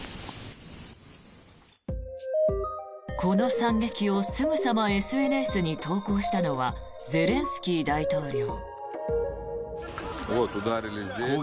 この惨劇をすぐさまＳＮＳに投稿したのはゼレンスキー大統領。